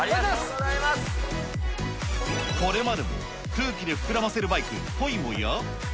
これまでも空気で膨らませるバイク、ポイモや。